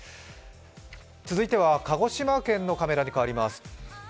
続いては鹿児島県のカメラに変わります。